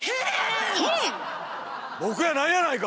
僕やないやないか！